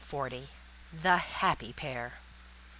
THE HAPPY PAIR.